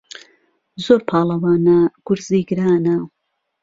زۆر پاڵهوانه گورزی گرانه